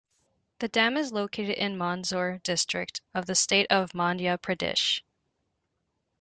The dam is located in the Mandsaur district of the state of Madhya Pradesh.